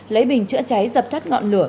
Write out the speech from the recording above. lấy bình chữa cháy dập chắt ngọn lửa